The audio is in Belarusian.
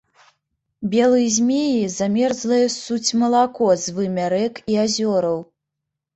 Белыя змеі замерзлае ссуць малако з вымя рэк і азёраў.